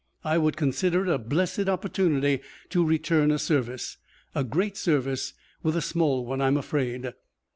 I would consider it a blessed opportunity to return a service, a great service with a small one, I'm afraid."